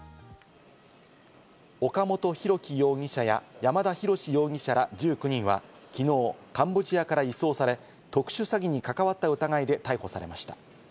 岡本大樹容疑者や、山田大志容疑者ら１９人は昨日、カンボジアから移送され、特殊詐欺に関わった疑いで逮捕されました。